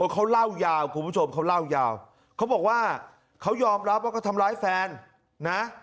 เขาเล่ายาวคุณผู้ชมเขาเล่ายาวเขาบอกว่าเขายอมรับว่าเขาทำร้ายแฟนนะ